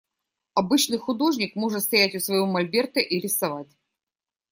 Обычный художник может стоять у своего мольберта и рисовать.